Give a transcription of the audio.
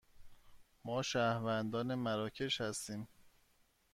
ما شهروندان مراکش هستیم.